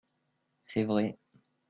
C’est vrai.